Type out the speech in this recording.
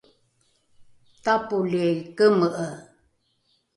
tapoli keme’e